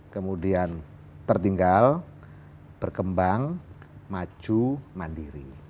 kemudian tertinggal berkembang maju mandiri